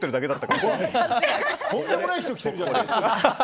とんでもない人来てるじゃないですか。